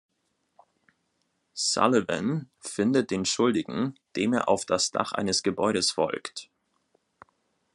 Sullivan findet den Schuldigen, dem er auf das Dach eines Gebäudes folgt.